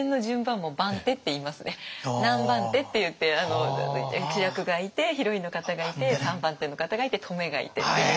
確かに何番手っていって主役がいてヒロインの方がいて３番手の方がいてトメがいてっていう。